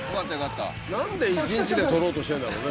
何で一日で撮ろうとしてんだろうね。